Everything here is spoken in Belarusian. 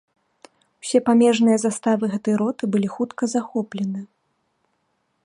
Усе памежныя заставы гэтай роты былі хутка захоплены.